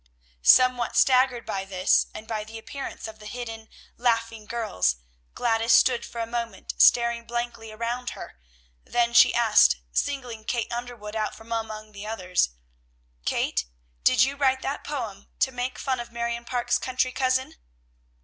Somewhat staggered by this, and by the appearance of the hidden, laughing girls, Gladys stood for a moment staring blankly around her, then she asked, singling Kate Underwood out from among the others, "Kate! did you write that poem to make fun of Marion Parke's country cousin?"